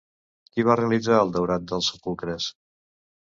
Qui va realitzar el daurat dels sepulcres?